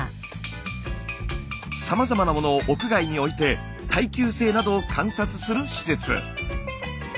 さまざまなものを屋外に置いて耐久性などを観察する施設。